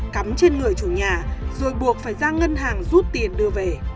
cắm trên người chủ nhà rồi buộc phải ra ngân hàng rút tiền đưa về